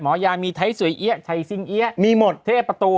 หมอยามีถัยสวยเย๊ะถัยซิงเย๊ะมีหมดเทภประตู